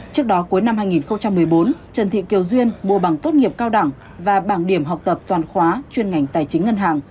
trước đó cuối năm hai nghìn một mươi bốn trần thị kiều duyên mua bằng tốt nghiệp cao đẳng và bảng điểm học tập toàn khóa chuyên ngành tài chính ngân hàng